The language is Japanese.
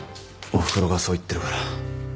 おふくろがそう言ってるから。